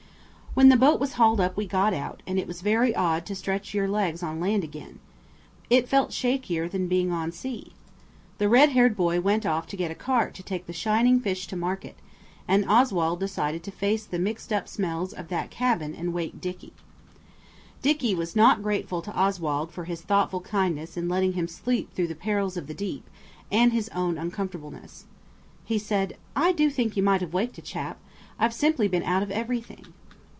When the boat was hauled up we got out, and it was very odd to stretch your legs on land again. It felt shakier than being on sea. The red haired boy went off to get a cart take the shining fish to market, and Oswald decided to face the mixed up smells of that cabin and wake Dicky. Dicky was not grateful to Oswald for his thoughtful kindness in letting him sleep through the perils of the deep and his own uncomfortableness. He said, "I do think you might have waked a chap. I've simply been out of everything."